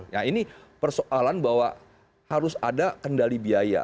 nah ini persoalan bahwa harus ada kendali biaya